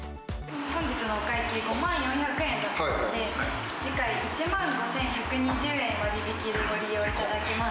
本日のお会計５万４００円だったので、次回、１万５１２０円割引でご利用いただけます。